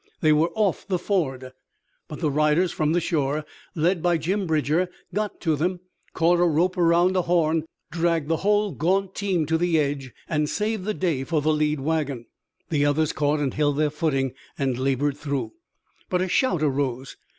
They were off the ford! But the riders from the shore, led by Jim Bridger, got to them, caught a rope around a horn, dragged them into line, dragged the whole gaunt team to the edge and saved the day for the lead wagon. The others caught and held their footing, labored through. But a shout arose.